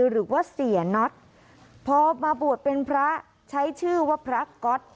หรือว่าเสียน็อตพอมาบวชเป็นพระใช้ชื่อว่าพระก๊อต